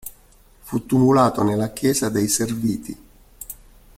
Fu tumulato nella chiesa dei serviti.